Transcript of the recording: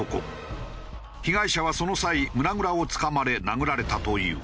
被害者はその際胸ぐらをつかまれ殴られたという。